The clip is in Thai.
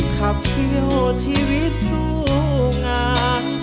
ขับเคี่ยวชีวิตสู้งาน